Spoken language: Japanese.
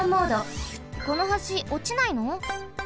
この橋おちないの？